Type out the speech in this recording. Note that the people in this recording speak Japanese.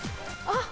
あっ！